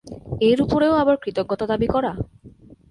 এর উপরেও আবার কৃতজ্ঞতা দাবি করা!